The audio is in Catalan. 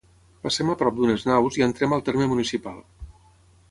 Passem a prop d'unes naus i entrem al terme municipal